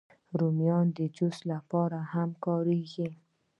رومیان د جوس لپاره هم کارېږي